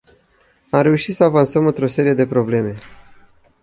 Am reușit să avansăm într-o serie de probleme.